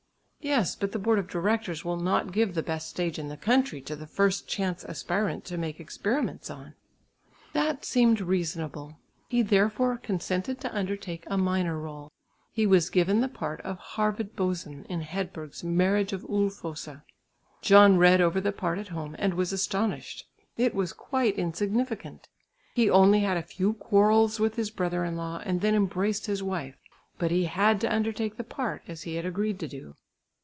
"Yes, but the board of directors will not give the best stage in the country to the first chance aspirant to make experiments on." That seemed reasonable. He therefore consented to undertake a minor rôle. He was given the part of Härved Boson in Hedberg's Marriage of Ulfosa. John read over the part at home, and was astonished. It was quite insignificant. He only had a few quarrels with his brother in law and then embraced his wife. But he had to undertake the part, as he had agreed to do.